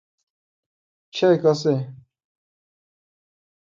څه ګورې ؟